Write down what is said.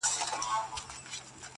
خو نه څانګه په دنیا کي میندل کېږي!.